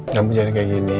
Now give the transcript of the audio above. kamu jangan kayak gini